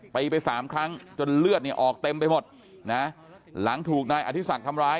ไปไป๓ครั้งจนเลือดออกเต็มไปหมดหลังถูกนายอธิษักษ์ทำร้าย